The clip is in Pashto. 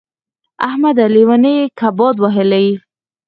احمده! لېونی يې که باد وهلی يې.